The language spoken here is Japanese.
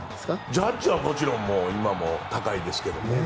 ジャッジはもちろん今も高いですけれども。